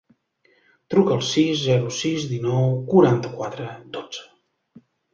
Truca al sis, zero, sis, dinou, quaranta-quatre, dotze.